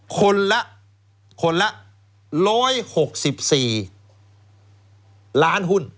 คนละ๑๖๔ล้านหุ้น